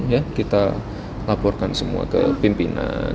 ya kita laporkan semua ke pimpinan